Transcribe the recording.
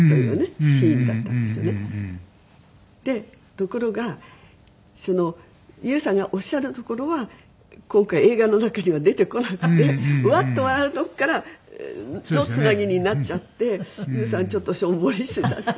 ところがそのＹＯＵさんがおっしゃるところは今回映画の中には出てこなくてワッと笑うとこからのつなぎになっちゃってＹＯＵさんちょっとしょんぼりしてたんです。